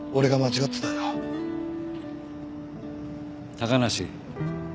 高梨。